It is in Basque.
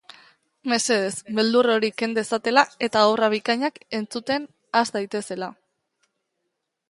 Mesedez, beldur hori ken dezatela eta obra bikainak entzuten has daitezela.